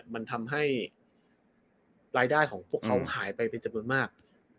มันทำให้รายได้ของพวกเขาหายไปเป็นจำนวนมาก